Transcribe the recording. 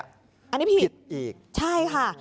อันนี้ผิดอีกใช่ค่ะ